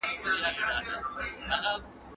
هغه د شاه محمود لارښوونه ومنله.